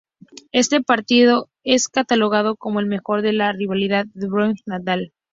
Este partido es catalogado como el mejor de la rivalidad Djokovic-Nadal.